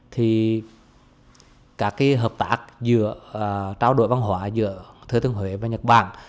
thì các hợp tác giữa trao đổi văn hóa giữa thừa thiên huế và nhật bản